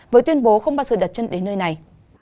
với tuyên bố không bao giờ đặt chân đến nơi này